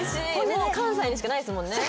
関西にしかないですもんね。